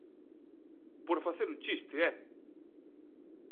Por facer un chiste, ¡eh!